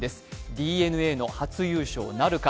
ＤｅＮＡの初優勝なるか。